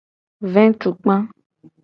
Vetukpa.